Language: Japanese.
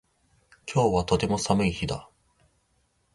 今日はとても寒い日だ